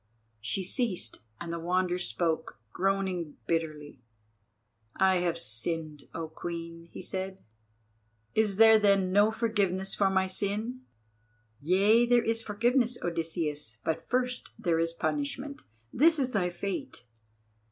She ceased, and the Wanderer spoke, groaning bitterly: "I have sinned, O Queen!" he said. "Is there then no forgiveness for my sin?" "Yea, there is forgiveness, Odysseus, but first there is punishment. This is thy fate.